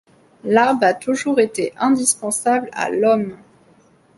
L’arbre a toujours été indispensable à l’Homme.